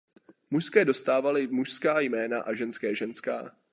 Mužské dostávaly mužská jména a ženské ženská.